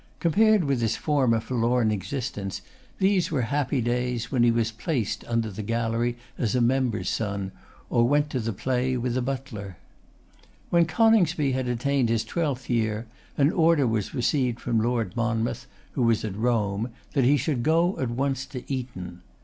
Compared with his former forlorn existence, these were happy days, when he was placed under the gallery as a member's son, or went to the play with the butler! When Coningsby had attained his twelfth year, an order was received from Lord Monmouth, who was at Rome, that he should go at once to Eton.